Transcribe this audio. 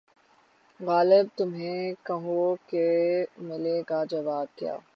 غالبؔ تمہیں کہو کہ ملے گا جواب کیا